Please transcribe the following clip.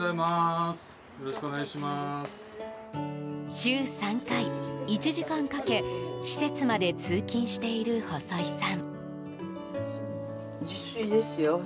週３回、１時間かけ施設まで通勤している細井さん。